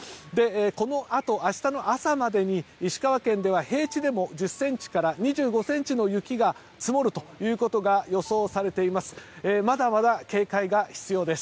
このあと、明日の朝までに石川県では平地でも１０ｃｍから２５ｃｍの雪が積もるということが予想されています。